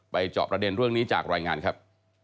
จอบประเด็นเรื่องนี้จากรายงานครับ